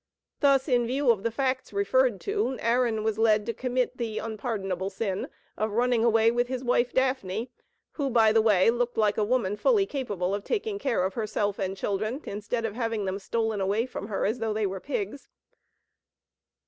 Thus, in view of the facts referred to, Aaron was led to commit the unpardonable sin of running away with his wife Daffney, who, by the way, looked like a woman fully capable of taking care of herself and children, instead of having them stolen away from her, as though they were pigs.